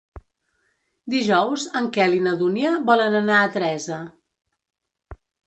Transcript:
Dijous en Quel i na Dúnia volen anar a Teresa.